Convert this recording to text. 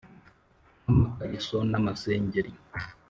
nk’amakariso n’amasengeri